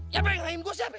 ya bang ngapain gua sih abe